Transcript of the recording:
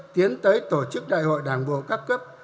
tiến tới tổ chức đại hội đảng bộ các cấp